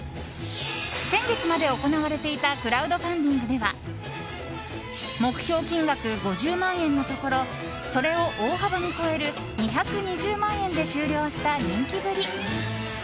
先月まで行われていたクラウドファンディングでは目標金額５０万円のところそれを大幅に超える２２０万円で終了した人気ぶり。